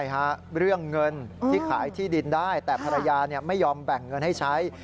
ใช่ค่ะเรื่องเงินที่ขายที่ดินได้แต่ภรรยาไม่ยอมแบ่งเงินให้ใช้